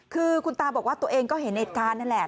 คือคุณตาบอกว่าตัวเองก็เห็นเหตุการณ์นั่นแหละ